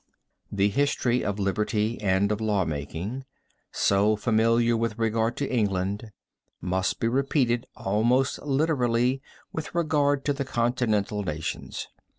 This history of liberty and of law making, so familiar with regard to England, must be repeated almost literally with regard to the continental nations.